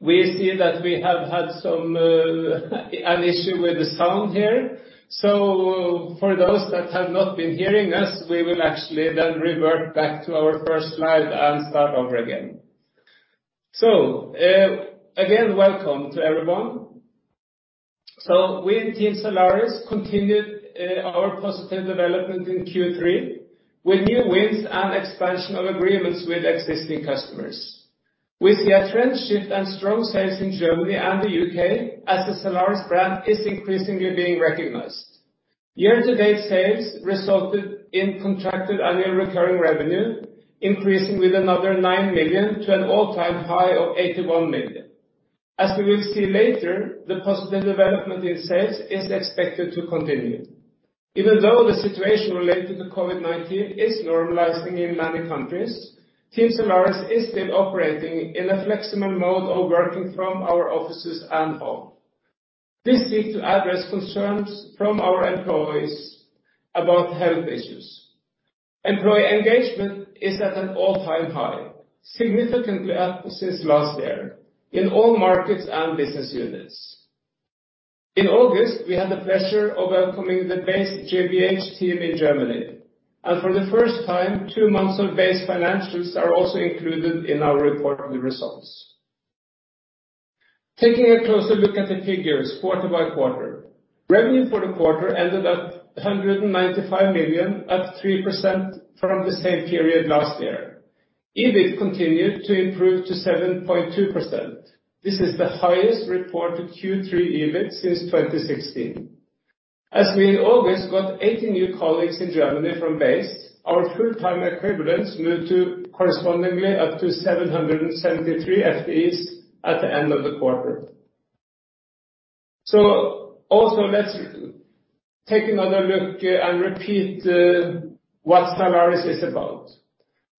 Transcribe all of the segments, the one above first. We see that we have had some an issue with the sound here. For those that have not been hearing us, we will actually then revert back to our first slide and start over again. Again, welcome to everyone. We at Team Zalaris continued our positive development in Q3 with new wins and expansion of agreements with existing customers. We see a trend shift and strong sales in Germany and the U.K. as the Zalaris brand is increasingly being recognized. Year-to-date sales resulted in contracted annual recurring revenue, increasing with another 9 million to an all-time high of 81 million. As we will see later, the positive development in sales is expected to continue. Even though the situation related to COVID-19 is normalizing in many countries, Team Zalaris is still operating in a flexible mode of working from our offices and home. This seeks to address concerns from our employees about health issues. Employee engagement is at an all-time high, significantly up since last year in all markets and business units. In August, we had the pleasure of welcoming the ba.se. GmbH team in Germany, and for the first time, two months of ba.se. financials are also included in our reported results. Taking a closer look at the figures quarter by quarter. Revenue for the quarter ended at 195 million, up 3% from the same period last year. EBIT continued to improve to 7.2%. This is the highest reported Q3 EBIT since 2016. As we in August got 80 new colleagues in Germany from ba.se., our full-time equivalents moved correspondingly up to 773 FTEs at the end of the quarter. Let's take another look and repeat what Zalaris is about.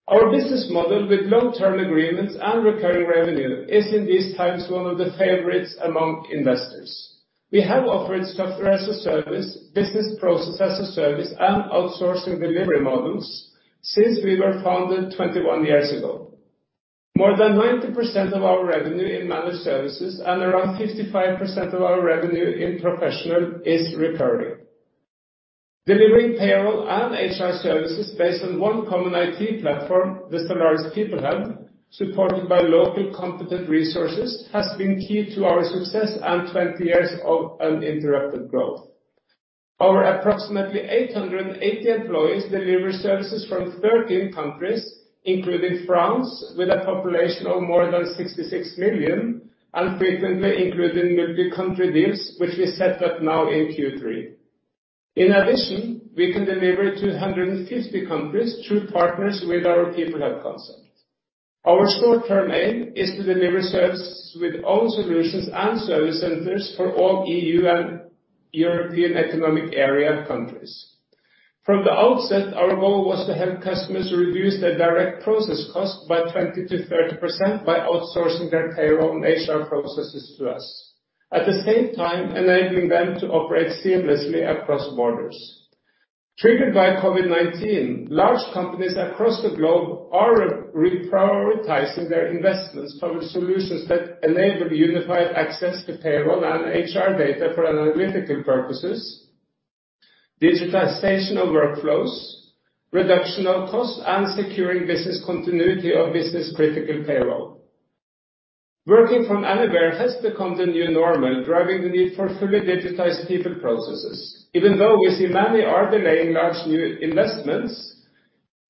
Our business model with long-term agreements and recurring revenue is in these times one of the favorites among investors. We have offered software as a service, business process as a service, and outsourcing delivery models since we were founded 21 years ago. More than 90% of our revenue in managed services and around 55% of our revenue in professional is recurring. Delivering payroll and HR services based on one common IT platform, the Zalaris PeopleHub, supported by local competent resources, has been key to our success and 20 years of uninterrupted growth. Our approximately 880 employees deliver services from 13 countries, including France, with a population of more than 66 million, and frequently including multi-country deals which we set up now in Q3. In addition, we can deliver to 150 countries through partners with our PeopleHub concept. Our short-term aim is to deliver services with own solutions and service centers for all EU and European Economic Area countries. From the outset, our goal was to help customers reduce their direct process cost by 20%-30% by outsourcing their payroll and HR processes to us, at the same time enabling them to operate seamlessly across borders. Triggered by COVID-19, large companies across the globe are reprioritizing their investments from solutions that enable unified access to payroll and HR data for analytical purposes, digitalization of workflows, reduction of cost, and securing business continuity of business-critical payroll. Working from anywhere has become the new normal, driving the need for fully digitized people processes. Even though we see many are delaying large new investments,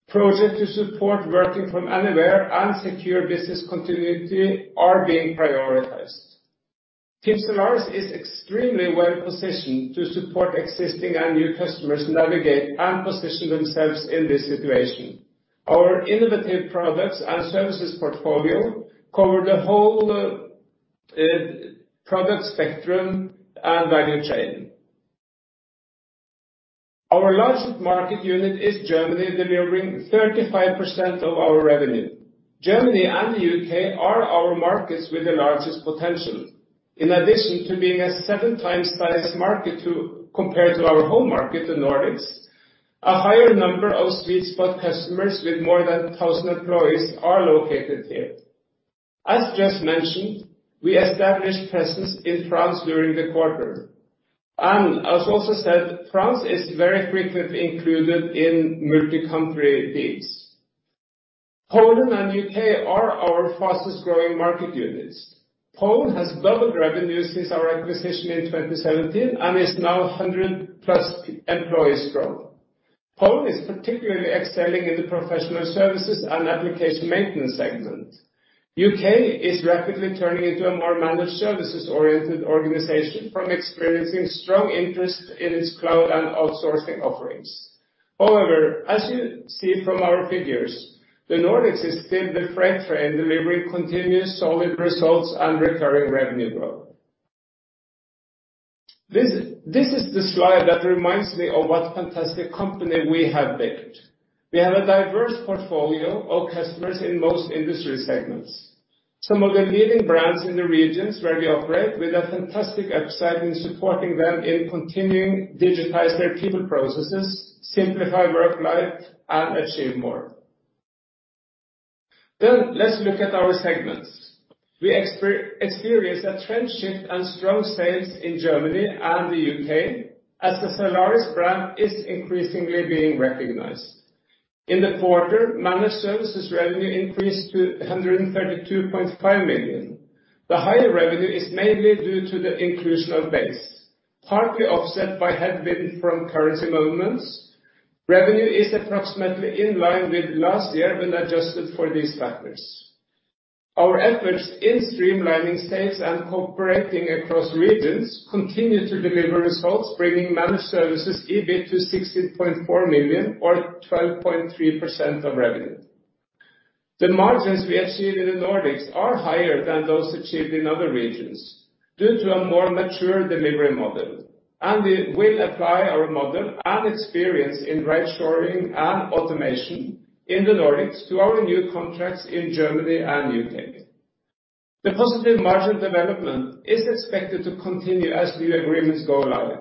projects to support working from anywhere and secure business continuity are being prioritized. Team Zalaris is extremely well-positioned to support existing and new customers navigate and position themselves in this situation. Our innovative products and services portfolio cover the whole, product spectrum and value chain. Our largest market unit is Germany, delivering 35% of our revenue. Germany and the U.K. are our markets with the largest potential. In addition to being a 7x size market compared to our home market, the Nordics, a higher number of sweet spot customers with more than 1,000 employees are located here. As just mentioned, we established presence in France during the quarter. As also said, France is very frequently included in multi-country deals. Poland and U.K. are our fastest-growing market units. Poland has doubled revenue since our acquisition in 2017 and is now 100+ employees strong. Poland is particularly excelling in the professional services and application maintenance segment. UK is rapidly turning into a more managed services-oriented organization from experiencing strong interest in its cloud and outsourcing offerings. However, as you see from our figures, the Nordics is still the front runner delivering continuous solid results and recurring revenue growth. This is the slide that reminds me of what fantastic company we have built. We have a diverse portfolio of customers in most industry segments. Some of the leading brands in the regions where we operate with a fantastic upside in supporting them in continuing to digitize their people processes, simplify work life, and achieve more. Let's look at our segments. We experience a trend shift and strong sales in Germany and the U.K. as the Zalaris brand is increasingly being recognized. In the quarter, managed services revenue increased to 132.5 million. The higher revenue is mainly due to the inclusion of ba.se., partly offset by headwind from currency movements. Revenue is approximately in line with last year when adjusted for these factors. Our efforts in streamlining sales and cooperating across regions continue to deliver results, bringing managed services EBIT to 16.4 million or 12.3% of revenue. The margins we achieved in the Nordics are higher than those achieved in other regions due to a more mature delivery model. We will apply our model and experience in right-shoring and automation in the Nordics to our new contracts in Germany and U.K. The positive margin development is expected to continue as new agreements go live.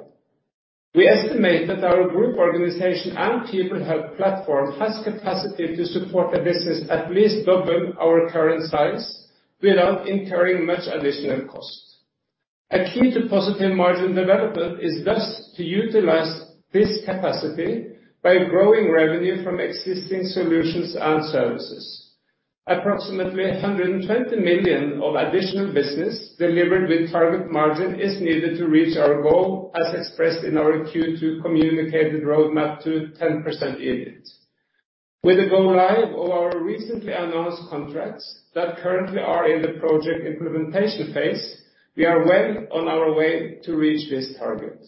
We estimate that our group organization and PeopleHub platform has capacity to support a business at least double our current size without incurring much additional cost. A key to positive margin development is thus to utilize this capacity by growing revenue from existing solutions and services. Approximately 120 million of additional business delivered with target margin is needed to reach our goal as expressed in our Q2-communicated roadmap to 10% EBIT. With the go-live of our recently announced contracts that currently are in the project implementation phase, we are well on our way to reach this target.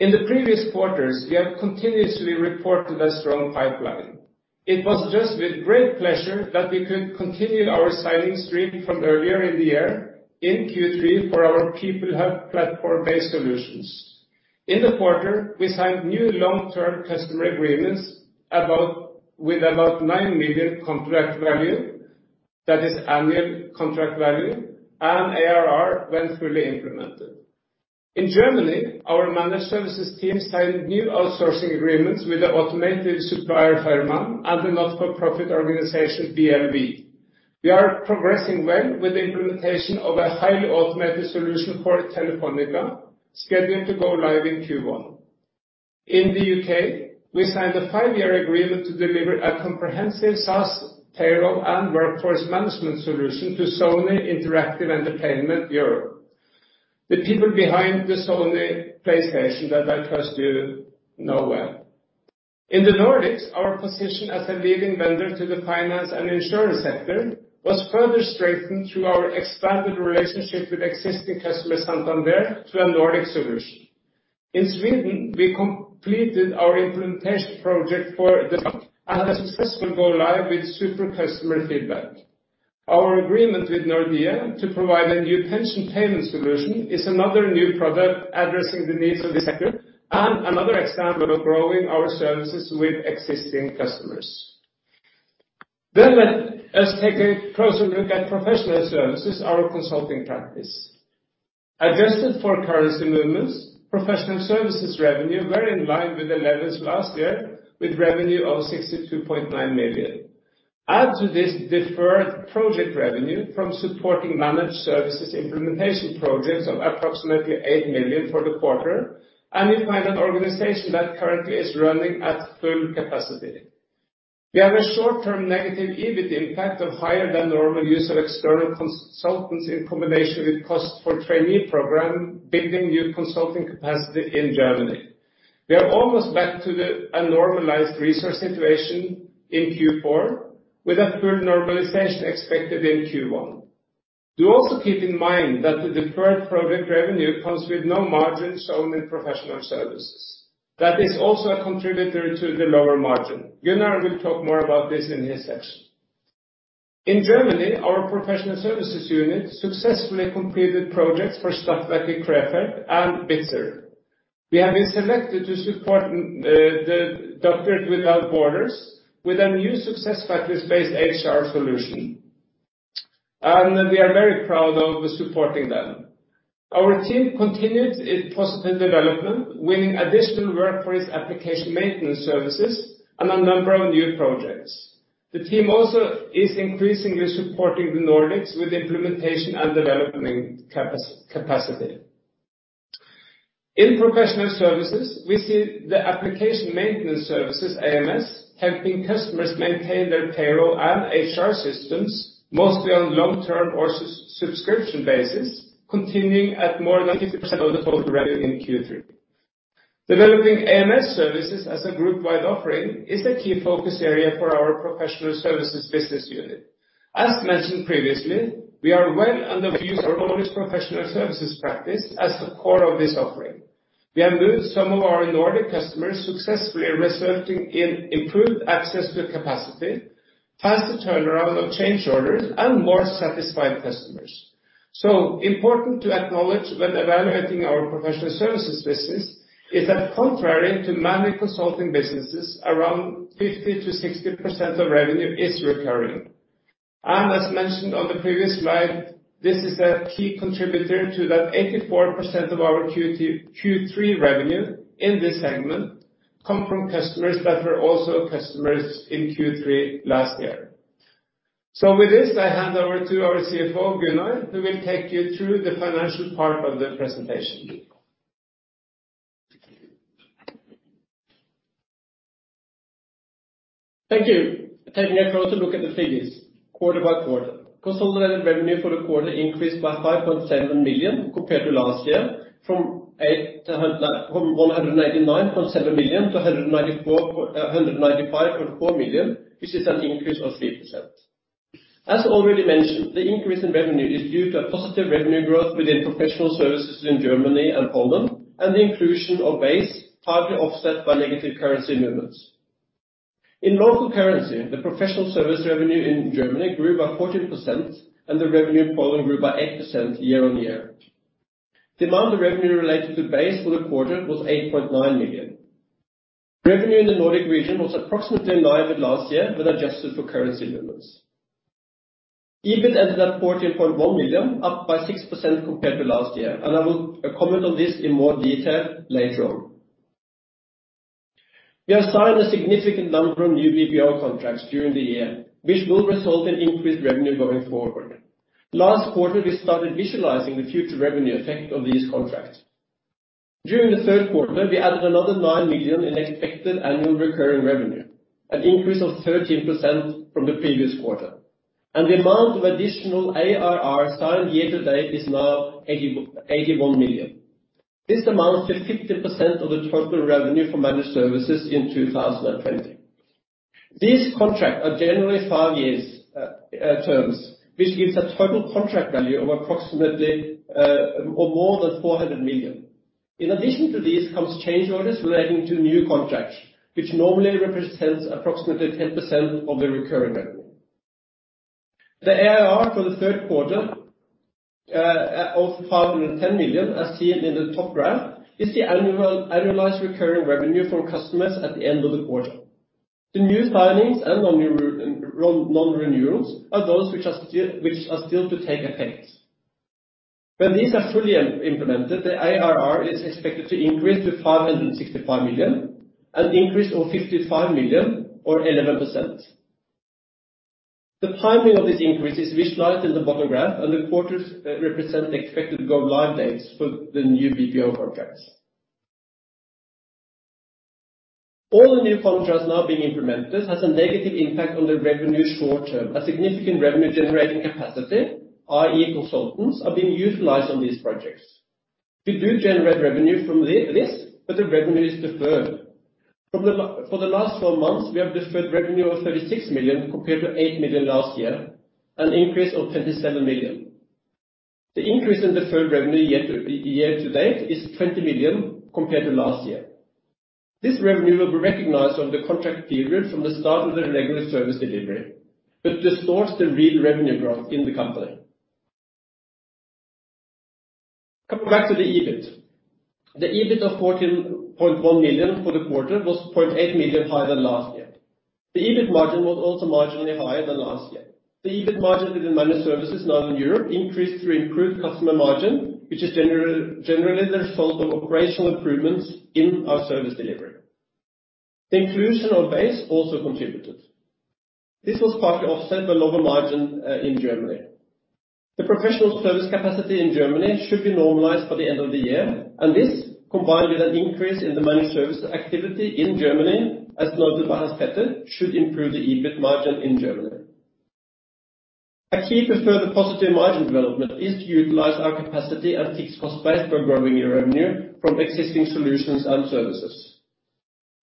In the previous quarters, we have continuously reported a strong pipeline. It was just with great pleasure that we could continue our signing streak from earlier in the year in Q3 for our PeopleHub platform-based solutions. In the quarter, we signed new long-term customer agreements with about 9 million contract value, that is annual contract value, and ARR when fully implemented. In Germany, our managed services team signed new outsourcing agreements with the automated supplier, Viessmann, and the not-for-profit organization, BMW Foundation. We are progressing well with the implementation of a highly automated solution for Telefónica, scheduled to go live in Q1. In the U.K., we signed a five-year agreement to deliver a comprehensive SaaS payroll and workforce management solution to Sony Interactive Entertainment Europe. The people behind the Sony PlayStation that I trust you know well. In the Nordics, our position as a leading vendor to the finance and insurance sector was further strengthened through our expanded relationship with existing customer, Santander, to a Nordic solution. In Sweden, we completed our implementation project and a successful go-live with superb customer feedback. Our agreement with Nordea to provide a new pension payment solution is another new product addressing the needs of the sector and another example of growing our services with existing customers. Let us take a closer look at professional services, our consulting practice. Adjusted for currency movements, professional services revenue were in line with the levels last year, with revenue of 62.9 million. Add to this deferred project revenue from supporting managed services implementation projects of approximately 8 million for the quarter, and you find an organization that currently is running at full capacity. We have a short-term negative EBIT impact of higher than normal use of external consultants in combination with cost for trainee program, building new consulting capacity in Germany. We are almost back to a normalized resource situation in Q4, with a full normalization expected in Q1. Do also keep in mind that the deferred project revenue comes with no margins shown in professional services. That is also a contributor to the lower margin. Gunnar will talk more about this in his section. In Germany, our professional services unit successfully completed projects for Stadtwerke Krefeld and BITZER. We have been selected to support the Doctors Without Borders with a new SuccessFactors-based HR solution. We are very proud of supporting them. Our team continued its positive development, winning additional work for its application maintenance services and a number of new projects. The team also is increasingly supporting the Nordics with implementation and development capacity. In professional services, we see the application maintenance services, AMS, helping customers maintain their payroll and HR systems mostly on long-term or subscription basis, continuing at more than 80% of the total revenue in Q3. Developing AMS services as a group-wide offering is a key focus area for our professional services business unit. As mentioned previously, we are well underway using our largest professional services practice as the core of this offering. We have moved some of our Nordic customers successfully, resulting in improved access to capacity, faster turnaround of change orders, and more satisfied customers. Important to acknowledge when evaluating our professional services business is that contrary to managed consulting businesses, around 50%-60% of revenue is recurring. As mentioned on the previous slide, this is a key contributor to that 84% of our Q3 revenue in this segment come from customers that were also customers in Q3 last year. With this, I hand over to our CFO, Gunnar, who will take you through the financial part of the presentation. Taking a closer look at the figures quarter by quarter. Consolidated revenue for the quarter increased by 5.7 million compared to last year from 189.7 million to 195.4 million, which is an increase of 3%. As already mentioned, the increase in revenue is due to a positive revenue growth within professional services in Germany and Poland and the inclusion of ba.se., partly offset by negative currency movements. In local currency, the professional services revenue in Germany grew by 14% and the revenue in Poland grew by 8% year-over-year. The amount of revenue related to ba.se. for the quarter was 8.9 million. Revenue in the Nordic region was approximately in line with last year when adjusted for currency movements. EBIT ended at 14.1 million, up by 6% compared to last year, and I will comment on this in more detail later on. We have signed a significant number of new BPO contracts during the year, which will result in increased revenue going forward. Last quarter, we started visualizing the future revenue effect of these contracts. During the third quarter, we added another 9 million in expected annual recurring revenue, an increase of 13% from the previous quarter. An amount of additional ARR signed year to date is now 81 million. This amounts to 50% of the total revenue for managed services in 2020. These contracts are generally five-year terms, which gives a total contract value of approximately or more than 400 million. In addition to these comes change orders relating to new contracts, which normally represents approximately 10% of the recurring revenue. The ARR for the third quarter of 510 million as seen in the top graph is the annualized recurring revenue from customers at the end of the quarter. The new signings and the non-renewals are those which are still to take effect. When these are fully implemented, the ARR is expected to increase to 565 million, an increase of 55 million or 11%. The timing of this increase is visualized in the bottom graph and the quarters represent the expected go-live dates for the new BPO contracts. All the new functions now being implemented has a negative impact on the revenue short term. A significant revenue generating capacity, i.e. Consultants are being utilized on these projects. We do generate revenue from this, but the revenue is deferred. For the last four months, we have deferred revenue of 36 million compared to 8 million last year, an increase of 27 million. The increase in deferred revenue year to date is 20 million compared to last year. This revenue will be recognized on the contract period from the start of the regular service delivery, but distorts the real revenue growth in the company. Coming back to the EBIT. The EBIT of 14.1 million for the quarter was 0.8 million higher than last year. The EBIT margin was also marginally higher than last year. The EBIT margin within managed services non-Europe increased through improved customer margin, which is generally the result of operational improvements in our service delivery. The inclusion of ba.se. also contributed. This was partly offset by lower margin in Germany. The professional service capacity in Germany should be normalized by the end of the year, and this, combined with an increase in the managed services activity in Germany, as noted by Hans-Petter, should improve the EBIT margin in Germany. A key to further positive margin development is to utilize our capacity and fixed cost base for growing the revenue from existing solutions and services.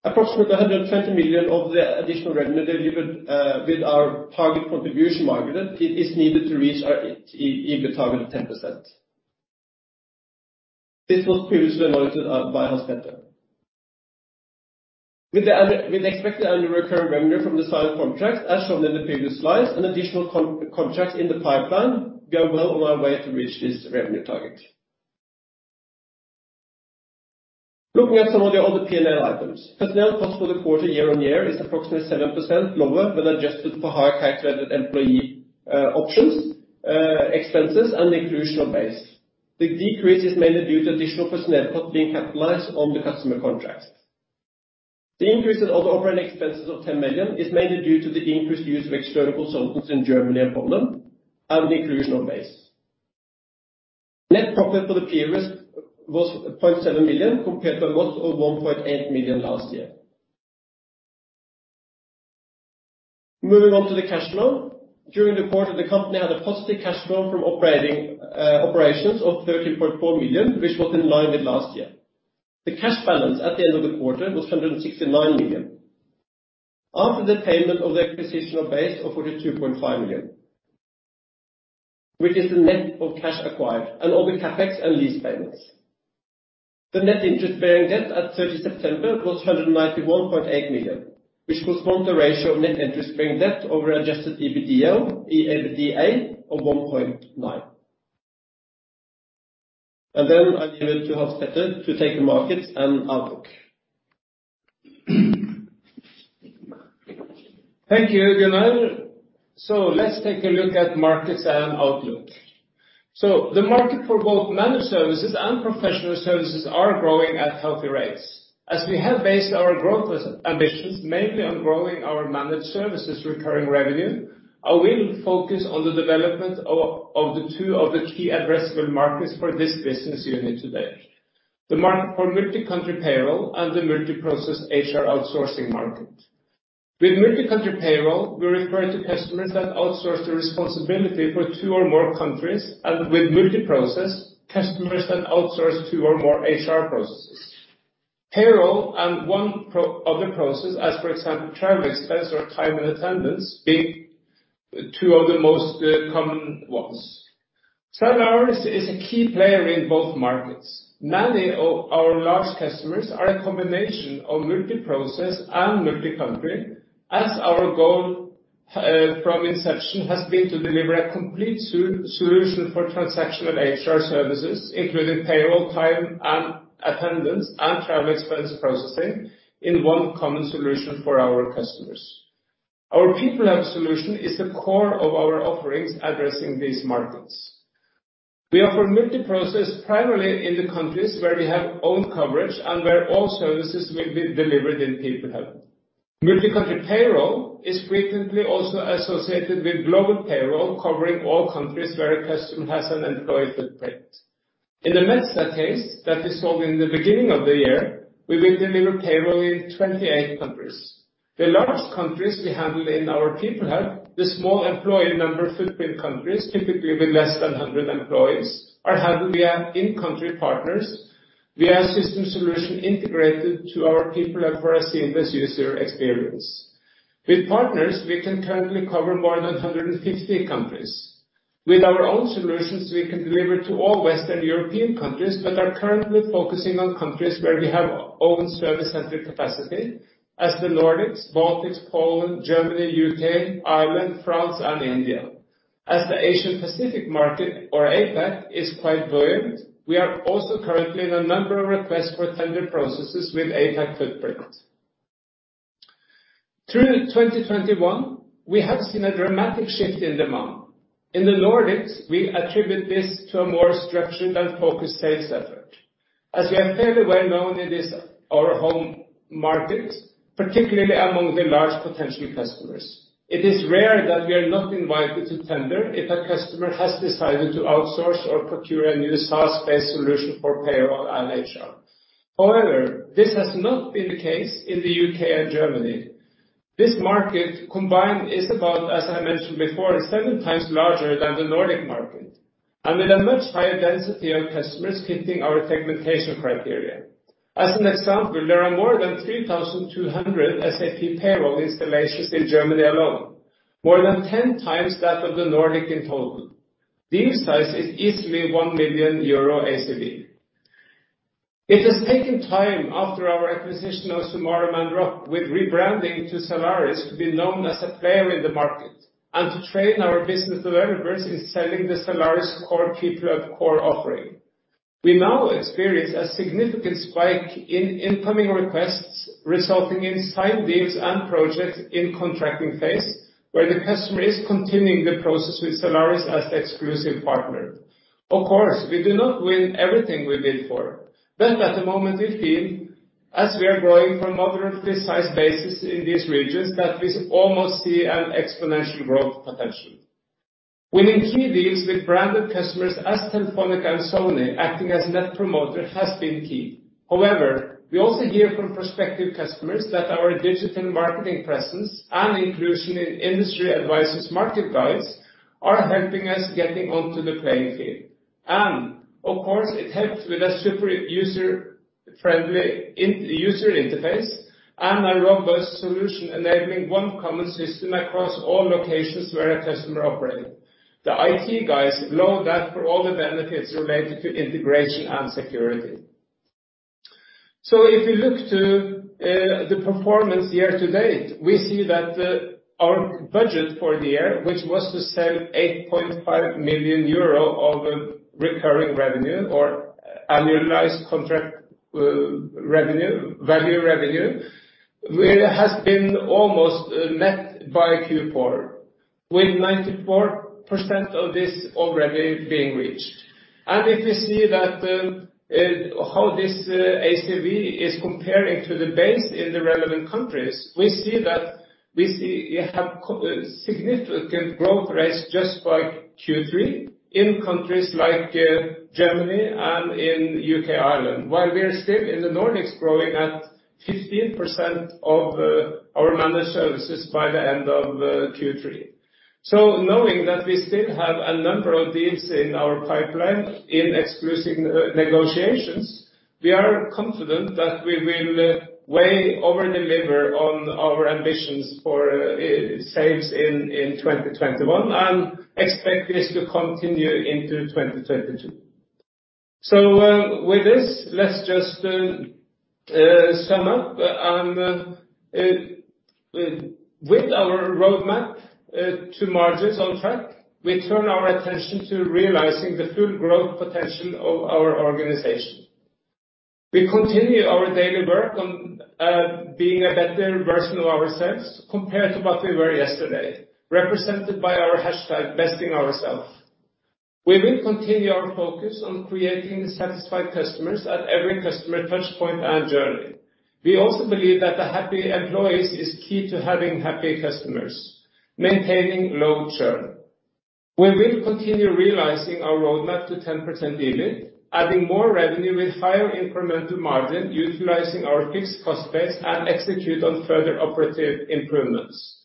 Approximately 120 million of the additional revenue delivered with our target contribution margin is needed to reach our EBIT target of 10%. This was previously noted by Hans-Petter. With the expected annual recurring revenue from the signed contracts as shown in the previous slides and additional contracts in the pipeline, we are well on our way to reach this revenue target. Looking at some of the other P&L items. Personnel costs for the quarter year-on-year is approximately 7% lower when adjusted for higher calculated employee options expenses and the inclusion of ba.se. The decrease is mainly due to additional personnel costs being capitalized on the customer contracts. The increase in other operating expenses of 10 million is mainly due to the increased use of external consultants in Germany and Poland and the inclusion of ba.se. Net profit for the period was 0.7 million compared to a loss of 1.8 million last year. Moving on to the cash flow. During the quarter, the company had a positive cash flow from operating operations of 30.4 million, which was in line with last year. The cash balance at the end of the quarter was 169 million. After the payment of the acquisition of ba.se. of 42.5 million, which is the net of cash acquired and all the CapEx and lease payments. The net interest bearing debt at 30 September was 191.8 million, which corresponds to the ratio of net interest bearing debt over adjusted EBITDA of 1.9. Then I give it to Hans-Petter to take the markets and outlook. Thank you, Gunnar. Let's take a look at markets and outlook. The market for both managed services and professional services are growing at healthy rates. As we have based our growth ambitions mainly on growing our managed services recurring revenue, I will focus on the development of the two key addressable markets for this business unit today. The market for multi-country payroll and the multi-process HR outsourcing market. With multi-country payroll, we refer to customers that outsource the responsibility for two or more countries, and with multi-process, customers that outsource two or more HR processes. Payroll and one other process, for example, travel expense or time and attendance, being two of the most common ones. Zalaris is a key player in both markets. Many of our large customers are a combination of multi-process and multi-country, as our goal from inception has been to deliver a complete solution for transactional HR services, including payroll, time and attendance, and travel expense processing in one common solution for our customers. Our PeopleHub solution is the core of our offerings addressing these markets. We offer multi-process primarily in the countries where we have own coverage and where all services will be delivered in PeopleHub. Multi-country payroll is frequently also associated with global payroll, covering all countries where a customer has an employee footprint. In the Metsä case that we sold in the beginning of the year, we will deliver payroll in 28 countries. The largest countries we handle in our PeopleHub, the small employee number footprint countries, typically with less than 100 employees, are handled via in-country partners via system solution integrated to our PeopleHub for a seamless user experience. With partners, we can currently cover more than 150 countries. With our own solutions, we can deliver to all Western European countries, but are currently focusing on countries where we have our own service center capacity, as the Nordics, Baltics, Poland, Germany, U.K., Ireland, France, and India. As the Asian Pacific market, or APAC, is quite buoyant, we are also currently in a number of requests for tender processes with APAC footprint. Through 2021, we have seen a dramatic shift in demand. In the Nordics, we attribute this to a more structured and focused sales effort. As we are fairly well known in this, our home markets, particularly among the large potential customers, it is rare that we are not invited to tender if a customer has decided to outsource or procure a new SaaS-based solution for payroll and HR. However, this has not been the case in the U.K. and Germany. This market combined is about, as I mentioned before, 7x larger than the Nordic market, and with a much higher density of customers fitting our segmentation criteria. As an example, there are more than 3,200 SAP payroll installations in Germany alone, more than 10x that of the Nordic in total. This size is easily 1 million euro ACV. It has taken time after our acquisition of Sumarum and ROC with rebranding to Zalaris to be known as a player in the market, and to train our business developers in selling the Zalaris core PeopleHub offering. We now experience a significant spike in incoming requests resulting in signed deals and projects in contracting phase, where the customer is continuing the process with Zalaris as the exclusive partner. Of course, we do not win everything we bid for. At the moment it feels, as we are growing from a relatively small base in these regions, that we almost see an exponential growth potential. Winning key deals with branded customers as Telefónica and Sony acting as net promoter has been key. However, we also hear from prospective customers that our digital marketing presence and inclusion in industry advisors market guides are helping us get onto the playing field. Of course, it helps with a super user-friendly intuitive user interface and a robust solution enabling one common system across all locations where a customer operate. The IT guys love that for all the benefits related to integration and security. If you look to the performance year to date, we see that our budget for the year, which was to sell 8.5 million euro of recurring revenue or annualized contract revenue, where it has been almost met by Q4. With 94% of this already being reached. If you see that, how this ACV is comparing to the base in the relevant countries, we see significant growth rates just by Q3 in countries like Germany and in U.K., Ireland, while we are still in the Nordics growing at 15% of our managed services by the end of Q3. Knowing that we still have a number of deals in our pipeline in exclusive negotiations, we are confident that we will way over-deliver on our ambitions for sales in 2021, and expect this to continue into 2022. With this, let's just sum up. With our roadmap to margins on track, we turn our attention to realizing the full growth potential of our organization. We continue our daily work on being a better version of ourselves compared to what we were yesterday, represented by our hashtag #BestingOurselves. We will continue our focus on creating satisfied customers at every customer touchpoint and journey. We also believe that the happy employees is key to having happy customers, maintaining low churn. We will continue realizing our roadmap to 10% EBIT, adding more revenue with higher incremental margin utilizing our fixed cost base and execute on further operational improvements.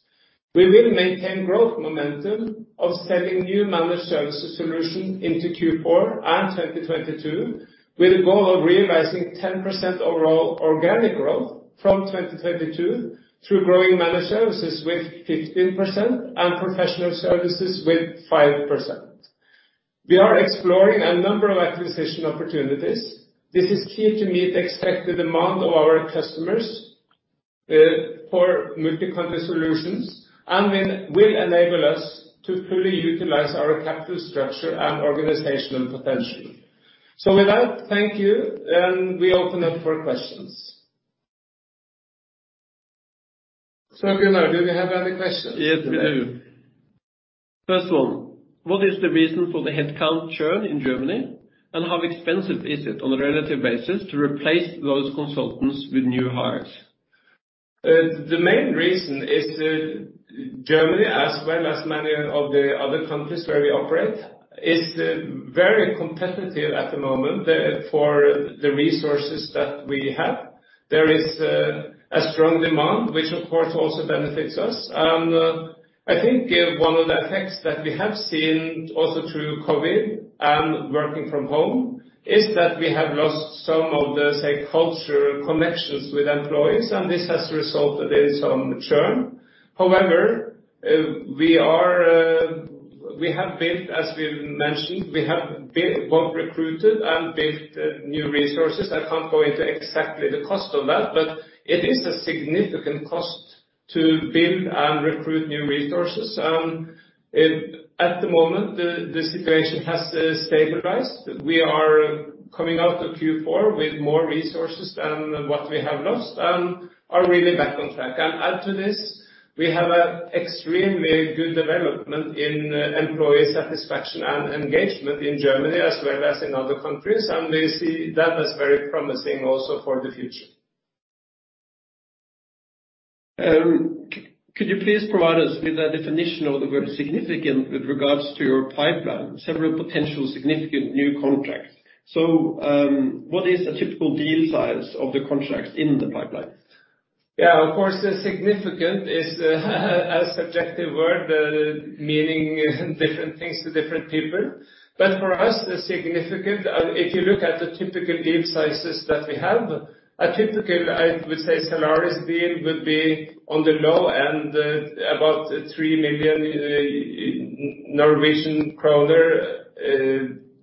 We will maintain growth momentum of selling new managed services solution into Q4 and 2022, with a goal of realizing 10% overall organic growth from 2022 through growing managed services with 15% and professional services with 5%. We are exploring a number of acquisition opportunities. This is key to meet expected demand of our customers for multi-country solutions and will enable us to fully utilize our capital structure and organizational potential. With that, thank you. We open up for questions. Gunnar, do we have any questions? Yes, we do. First of all, what is the reason for the headcount churn in Germany? How expensive is it on a relative basis to replace those consultants with new hires? The main reason is Germany, as well as many of the other countries where we operate, is very competitive at the moment for the resources that we have. There is a strong demand, which of course also benefits us. I think one of the effects that we have seen also through COVID and working from home is that we have lost some of the, say, culture connections with employees, and this has resulted in some churn. However, we have built, as we mentioned, well, recruited and built new resources. I can't go into exactly the cost of that. It is a significant cost to build and recruit new resources. At the moment, the situation has stabilized. We are coming out of Q4 with more resources than what we have lost and are really back on track. Add to this, we have a extremely good development in employee satisfaction and engagement in Germany as well as in other countries. We see that as very promising also for the future. Could you please provide us with a definition of the word significant with regards to your pipeline? Several potential significant new contracts. What is a typical deal size of the contracts in the pipeline? Yeah, of course, significant is a subjective word, meaning different things to different people. For us, if you look at the typical deal sizes that we have, a typical, I would say Zalaris deal would be on the low end about 3 million Norwegian kroner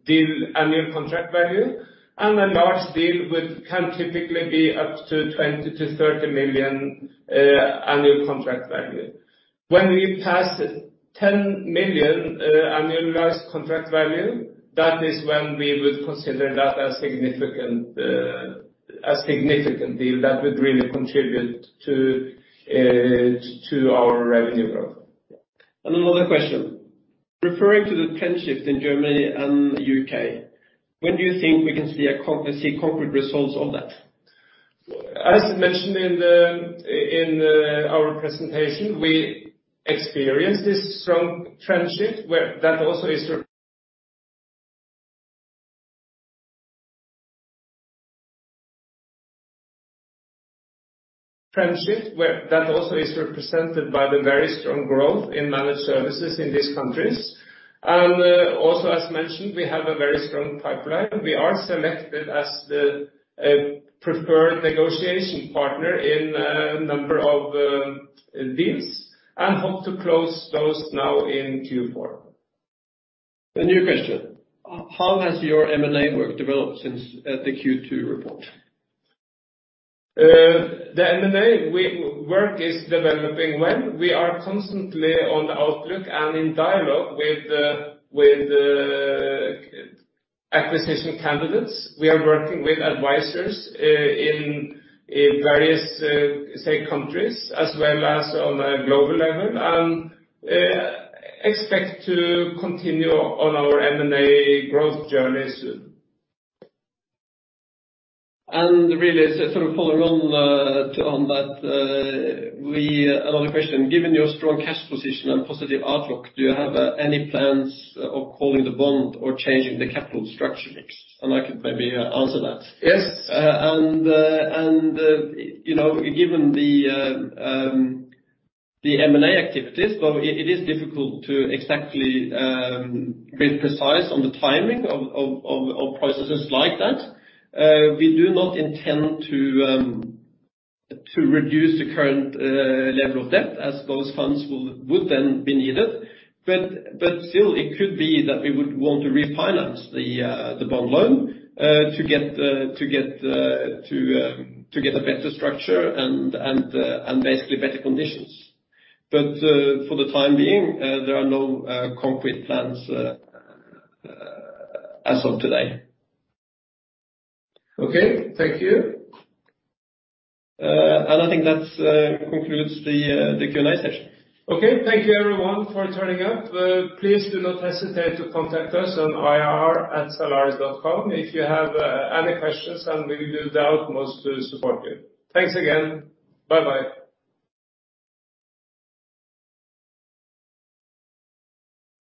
deal annual contract value. A large deal can typically be up to 20-30 million annual contract value. When we pass 10 million annualized contract value, that is when we would consider that a significant deal that would really contribute to our revenue growth. Another question. Referring to the trend shift in Germany and the U.K., when do you think we can see concrete results of that? As mentioned in our presentation, we experienced this strong trend shift where that also is represented by the very strong growth in managed services in these countries. Also as mentioned, we have a very strong pipeline. We are selected as the preferred negotiation partner in a number of deals and hope to close those now in Q4. A new question. How has your M&A work developed since the Q2 report? The M&A work is developing well. We are constantly on the lookout and in dialogue with acquisition candidates. We are working with advisors in various countries, as well as on a global level. We expect to continue on our M&A growth journey soon. Really as a sort of follow on to that. Another question. Given your strong cash position and positive outlook, do you have any plans of calling the bond or changing the capital structure mix? I can maybe answer that. Yes. You know, given the M&A activities, it is difficult to exactly be precise on the timing of processes like that. We do not intend to reduce the current level of debt as those funds would then be needed. Still it could be that we would want to refinance the bond loan to get a better structure and basically better conditions. For the time being, there are no concrete plans as of today. Okay. Thank you. I think that concludes the Q&A session. Okay. Thank you everyone for turning up. Please do not hesitate to contact us on ir@zalaris.com if you have any questions, and we will do our utmost to support you. Thanks again. Bye-bye.